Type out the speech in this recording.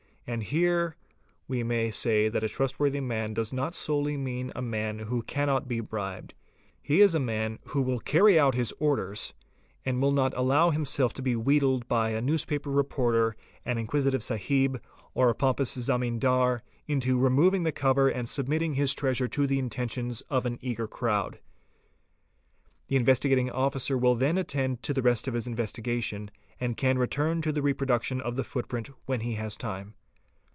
And here we may say that a trustworthy man does not solely mean a man who cannot be bribed. He is a man who will carry out his orders, and not allow him self to be wheedled by a newspaper reporter, an inquisitive sahib, or a pompous Zemindar, into removing the cover and submitting his treasure to the attentions of an eager crowd. The Investigating Officer will then attend to the rest of his investigation and can return to the reproduction of the footprint when he has time.